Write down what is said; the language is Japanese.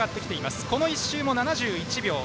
この１周も７１秒。